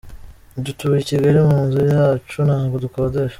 Dutuye I Kigali mu nzu yacu ntabwo dukodesha.